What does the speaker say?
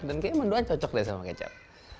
dan kayaknya mendoan cocok deh sama kecap